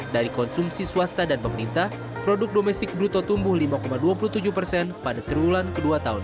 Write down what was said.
dari konsumsi swasta dan pemerintah produk domestik bruto tumbuh lima dua puluh tujuh persen pada triwulan ke dua tahun ini